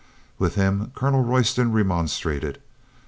With him Colonel Royston remonstrated.